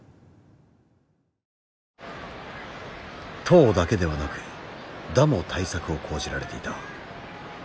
投だけではなく打も対策を講じられていた。